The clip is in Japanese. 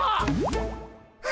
あ！